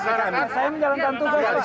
saya menjalankan tugas